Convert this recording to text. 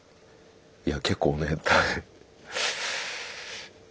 いや結構ね。